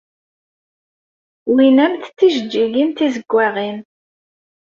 Wwiɣ-am-d tjeǧǧigin d tizeggaɣin.